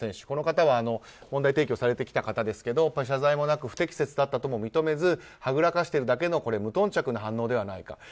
この方は問題提起されてきた方ですが謝罪もなく不適切だったとも認めずはぐらかしているだけの無頓着な反応ではないか。